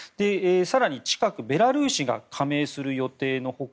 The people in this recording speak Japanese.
更に、近くベラルーシが加盟する予定の他